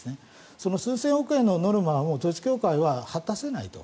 その数千億円のノルマを統一教会は果たせないと。